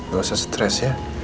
gak usah stress ya